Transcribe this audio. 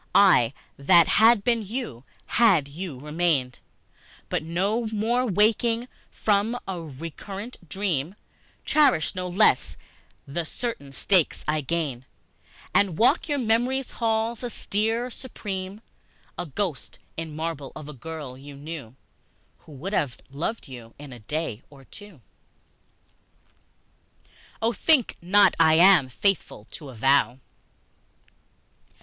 I, that had been to you, had you remained, But one more waking from a recurrent dream, Cherish no less the certain stakes I gained, And walk your memory's halls, austere, supreme, A ghost in marble of a girl you knew Who would have loved you in a day or two. III. Oh, think not I am faithful to a vow!